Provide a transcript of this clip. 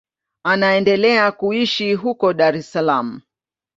Anaendelea kuishi huko Dar es Salaam.